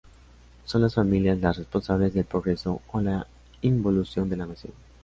Son las familias las responsables del progreso o la involución de la nación.